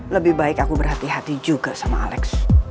lebih baik aku berhati hati juga sama alex